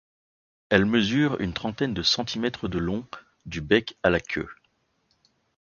Elles mesurent une trentaine de centimètres de long, du bec à la queue.